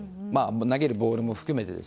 投げるボールも含めて。